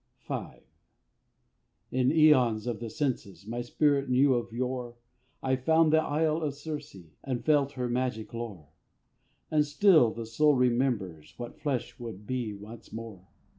V. In eöns of the senses, My spirit knew of yore, I found the Isle of Circe, And felt her magic lore; And still the soul remembers What flesh would be once more.